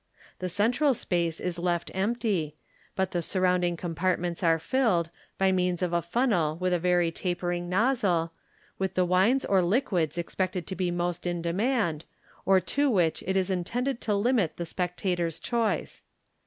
The central space is left empty, but the surrounding compartments are filled, by means of a funnel with a very tapering nozzle, with the wines or liquids expected to be most in demand, or to which it is intended to limit the spectators' choice.